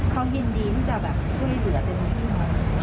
เขายินดีที่จะคุยเหลือไปทุกที่หรอ